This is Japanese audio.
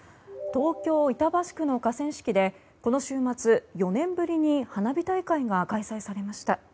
東京・板橋区の河川敷でこの週末４年ぶりに花火大会が開催されました。